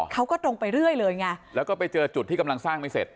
เขาก็ตรงไปเรื่อยเลยไงแล้วก็ไปเจอจุดที่กำลังสร้างไม่เสร็จ